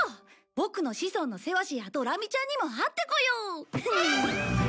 ボクの子孫のセワシやドラミちゃんにも会ってこよう！